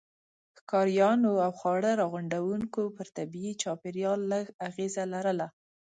ښکاریانو او خواړه راغونډوونکو پر طبيعي چاپیریال لږ اغېزه لرله.